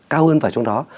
cao hơn vào trong đó